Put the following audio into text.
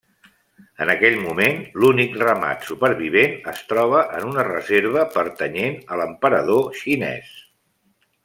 En aquell moment, l'únic ramat supervivent es troba en una reserva pertanyent a l'emperador xinès.